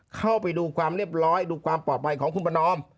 เข้าไปดูความเรียบร้อยดูความปลอดภัยของคุณประนอม